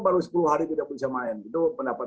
baru sepuluh hari tidak bisa main itu pendapat